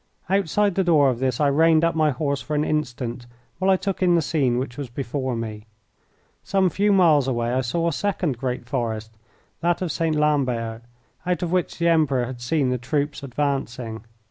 Outside the door of this I reined up my horse for an instant while I took in the scene which was before me. Some few miles away I saw a second great forest, that of St. Lambert, out of which the Emperor had seen the troops advancing.